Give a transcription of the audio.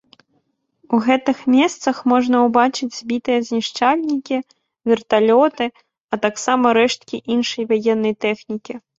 У гэтых месцах можна ўбачыць збітыя знішчальнікі, верталёты, а таксама рэшткі іншай ваеннай тэхнікі.